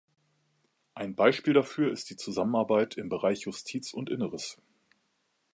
Ein Beispiel dafür ist die Zusammenarbeit im Bereich Justiz und Inneres.